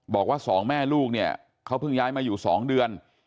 บอกว่า๒แม่ลูกเขาพึ่งย้ายมาอยู่๒เดือน